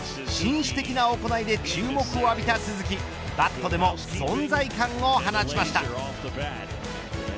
紳士的な行いで注目を浴びた鈴木バットでも存在感を放ちました。